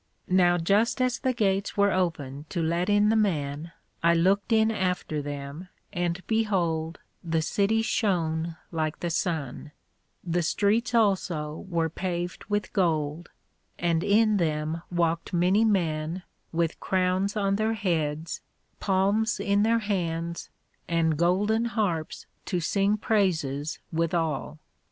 Now just as the Gates were opened to let in the men, I looked in after them, and behold, the City shone like the Sun; the Streets also were paved with Gold, and in them walked many men, with Crowns on their heads, Palms in their hands, and golden Harps to sing praises withal.